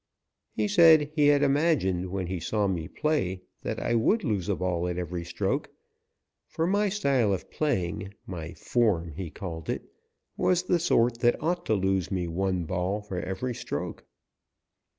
He said he had imagined when he saw me play that I would lose a ball at every stroke, for my style of playing my "form" he called it was the sort that ought to lose me one ball for every stroke.